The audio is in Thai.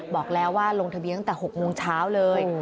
บอกแล้วว่าลงทะเบียนตั้งแต่๖โมงเช้าเลย